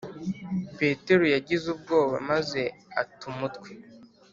petero yagize ubwoba , maze ata umutwe